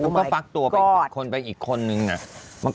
แล้วก็ปั๊กตัวไป๑คนไปอีกคนหนึ่ง